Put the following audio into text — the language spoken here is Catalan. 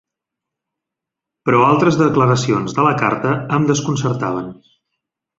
Però altres declaracions de la carta em desconcertaven.